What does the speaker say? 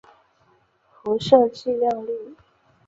辐射剂量率。